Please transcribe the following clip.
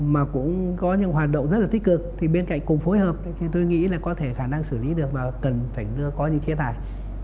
mà cũng có những hoạt động rất là tích cực thì bên cạnh cùng phối hợp thì tôi nghĩ là có thể khả năng xử lý được và cần phải có những chế tài